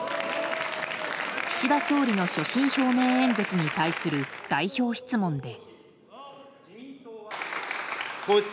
岸田総理の所信表明演説に対する代表質問で。